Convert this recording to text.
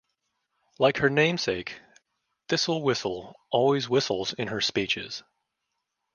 Like her namesake, Thistle Whistle always whistles in her speeches.